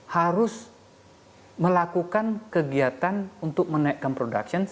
harus melakukan kegiatan untuk menaikkan production